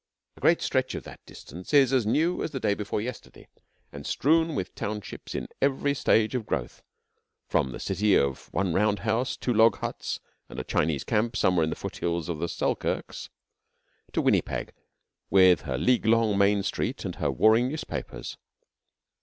A great stretch of that distance is as new as the day before yesterday, and strewn with townships in every stage of growth from the city of one round house, two log huts, and a Chinese camp somewhere in the foot hills of the Selkirks, to Winnipeg with her league long main street and her warring newspapers.